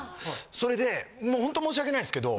それでほんと申し訳ないですけど。